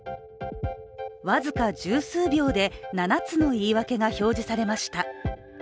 僅か十数秒で７つの言い訳が表示されました。